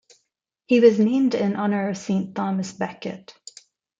He was named in honour of Saint Thomas Becket.